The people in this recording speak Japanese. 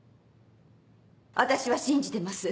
私は信じてます。